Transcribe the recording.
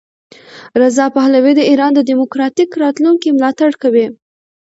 رضا پهلوي د ایران د دیموکراتیک راتلونکي ملاتړ کوي.